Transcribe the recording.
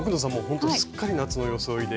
ほんとすっかり夏の装いで。